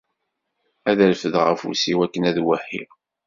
Ad d-refdeɣ afus-iw akken ad d-wehhiɣ.